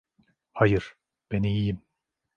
Hayır, ben iyiyim.